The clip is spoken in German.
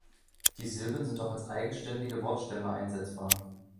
Die Silben sind auch als eigenständige Wortstämme einsetzbar.